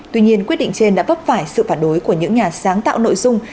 tuy nhiên quyết định trên đã vấp phải sự phản đối của những nhà sáng tạo nội dung